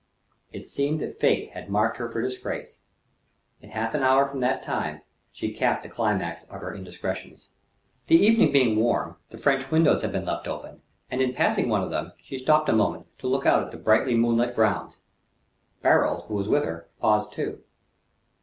It seemed that fate had marked her for disgrace. In half an hour from that time she capped the climax of her indiscretions. The evening being warm, the French windows had been left open; and, in passing one of them, she stopped a moment to look out at the brightly moonlit grounds. Barold, who was with her, paused too.